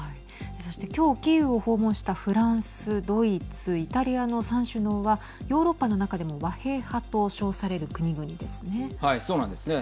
そして、きょうキーウを訪問したフランス、ドイツイタリアの３首脳はヨーロッパの中でも和平派と称される国々ですね。